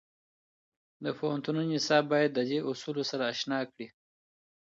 د پوهنتونو نصاب باید د دې اصولو سره اشنا کړي.